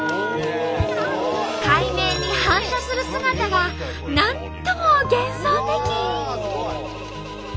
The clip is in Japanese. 海面に反射する姿がなんとも幻想的。